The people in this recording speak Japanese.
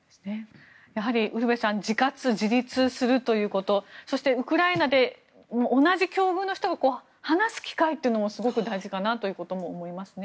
やはりウルヴェさん自活、自立するということそして、ウクライナで同じ境遇の人が話す機会というのもすごく大事だなということも思います。